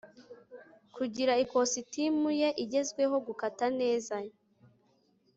kugira ikositimu ye igezweho , gukata neza